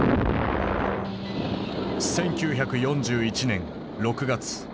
１９４１年６月。